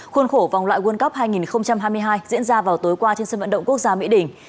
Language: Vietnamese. khuôn khổ vòng loại world cup hai nghìn hai mươi hai diễn ra vào tối qua trên sân vận động quốc gia mỹ đình